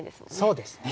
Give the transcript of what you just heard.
そうですね。